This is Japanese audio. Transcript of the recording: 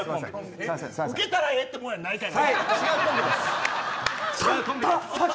うけたらええってもんじゃないから。